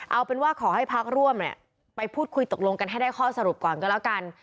เอาเป็นว่าขอให้พักร่วมไปพูดคุยตกลงกันให้ได้ข้อสรุปก่อนก็แล้วกัน